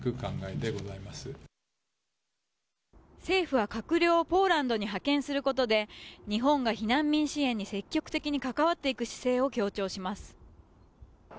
政府は閣僚をポーランドに派遣することで日本が避難民支援に積極的に関わっていく姿勢を強調します